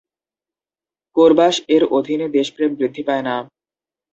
কোরবাশ' এর অধীনে দেশপ্রেম বৃদ্ধি পায় না।